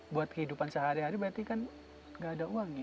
buat kehidupan sehari hari berarti kan gak ada uang ya